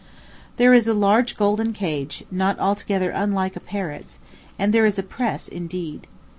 There is a large golden cage, not altogether unlike a parrot's; and there is a press, indeed.